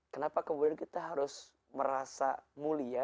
kenapa kemudian kita harus merasa mulia dan merasa bangga dengan dunia